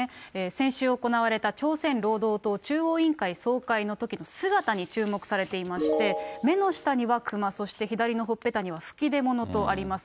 先週行われた朝鮮労働党中央委員会総会のときの姿に注目されていまして、目の下にはクマ、そして左のほっぺたには吹き出物とあります。